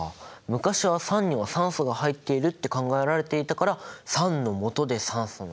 昔は酸には酸素が入っているって考えられていたから「酸」の「素」で酸素なんだね。